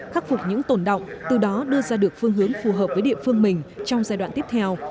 khắc phục những tồn động từ đó đưa ra được phương hướng phù hợp với địa phương mình trong giai đoạn tiếp theo